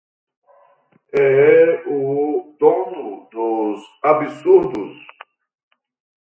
É o dono dos absurdos.